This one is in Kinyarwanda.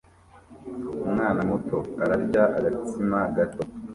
Umwana muto ararya agatsima gato